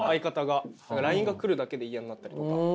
ＬＩＮＥが来るだけで嫌になったりとか。